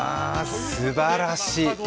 すばらしい。